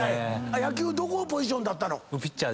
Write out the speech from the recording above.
野球どこポジションだったの？